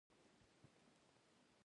آسونه ګړندي شول.